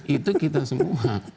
itu kita semua